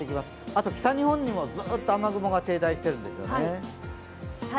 あと北日本よりずっと雨雲が停滞してるんですよね。